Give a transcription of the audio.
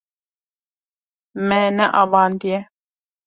Me neavandiye.